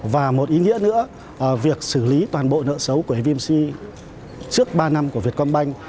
và một ý nghĩa nữa việc xử lý toàn bộ nợ xấu của vamc trước ba năm của vietcombank